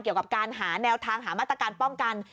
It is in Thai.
เกี่ยวกับการหาแนวทางหามาตรการป้องกัน